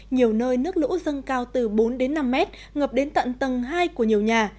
nhiều nơi nước lũ dâng cao từ bốn đến năm mét ngập đến tận tầng hai của nhiều nhà